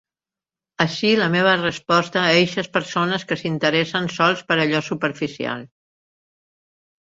Ací la meua resposta a eixes persones que s'interessen sols per allò superficial.